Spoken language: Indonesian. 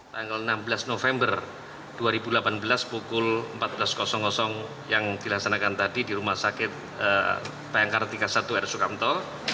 tanggal enam belas november dua ribu delapan belas pukul empat belas yang dilaksanakan tadi di rumah sakit bayangkara tiga puluh satu r sukamto